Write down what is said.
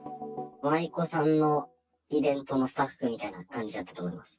舞妓さんのイベントのスタッフみたいな感じだったと思います。